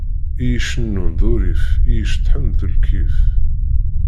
I icennun d urrif, i iceṭṭḥen d lkif.